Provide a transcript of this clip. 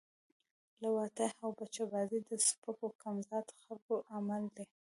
لواطت او بچه بازی د سپکو کم ذات خلکو عمل ده